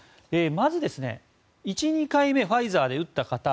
まず１、２回目ファイザーで打った方